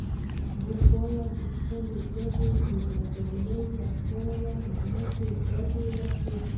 موږ باید د خپلې ژبې د بډاینې لپاره مټې رابډ وهو.